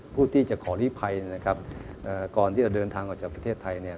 ผู้ที่จะขอรีภัยนะครับก่อนที่จะเดินทางออกจากประเทศไทย